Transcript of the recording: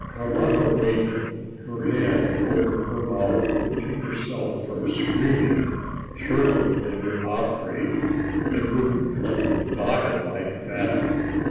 Carlotta waited, her hand over her mouth to keep herself from screaming. Surely they would operate; they wouldn't let him die like that!